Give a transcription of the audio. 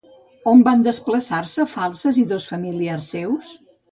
On van desplaçar-se Falces i dos familiars seus?